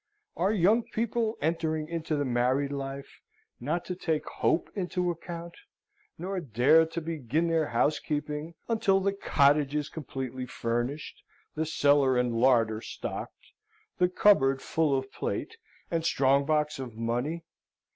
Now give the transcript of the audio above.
Are young people entering into the married life not to take hope into account, nor dare to begin their housekeeping until the cottage is completely furnished, the cellar and larder stocked, the cupboard full of plate, and the strong box of money?